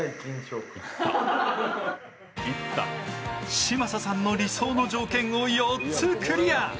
嶋佐さんの理想の条件を４つクリア。